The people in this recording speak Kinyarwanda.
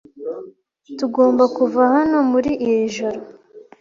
Tugomba kuva hano muri iri joro.